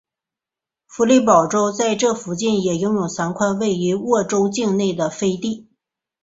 弗里堡州在这附近也拥有三块位于沃州境内的飞地。